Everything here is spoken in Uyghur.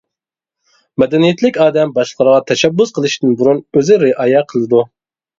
مەدەنىيەتلىك ئادەم باشقىلارغا تەشەببۇس قىلىشتىن بۇرۇن ئۆزى رىئايە قىلىدۇ.